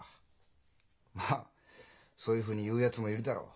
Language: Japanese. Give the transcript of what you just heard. まあそういうふうに言うやつもいるだろう。